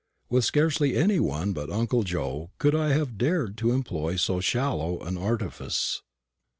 With scarcely any one but uncle Joe could I have dared to employ so shallow an artifice.